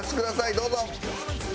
どうぞ！